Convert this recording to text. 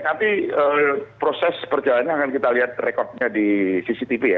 nanti proses perjalanan akan kita lihat rekodnya di cctv ya